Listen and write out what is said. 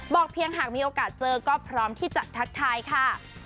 เพียงหากมีโอกาสเจอก็พร้อมที่จะทักทายค่ะ